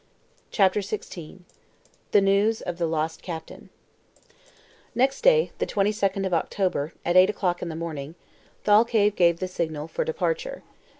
CHAPTER XVI THE NEWS OF THE LOST CAPTAIN NEXT day, the 22d of October, at eight o'clock in the morning, Thalcave gave the signal for departure.